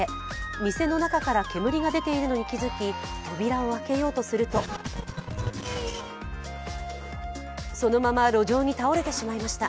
店の中から煙が出ているのに気づき扉を開けようとすると、そのまま路上に倒れてしまいました。